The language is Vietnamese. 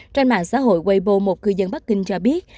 trên mạng xã hội wibo một cư dân bắc kinh cho biết